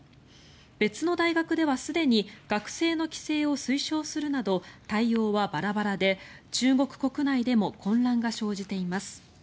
別の大学ではすでに学生の帰省を推奨するなど対応はバラバラで、中国国内でも混乱が生じています。